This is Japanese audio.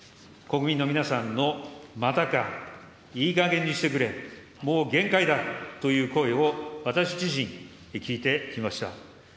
国民の皆さんのまたか、いいかげんにしてくれ、もう限界だという声を私自身、聞いてきました。